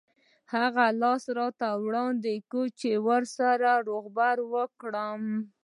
هغه لاس راته وړاندې کړ چې ورسره روغبړ وکړم.